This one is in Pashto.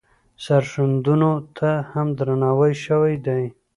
سرښندنو ته هم درناوی شوی دی.